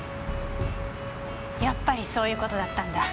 やっぱりそういう事だったんだ。